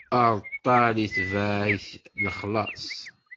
Aṛeṭṭal itbeɛ-it lexlaṣ.